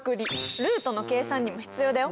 ルートの計算にも必要だよ。